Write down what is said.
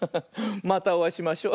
またおあいしましょ。